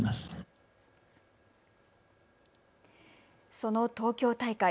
その東京大会。